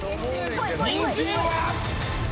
［にんじんは⁉］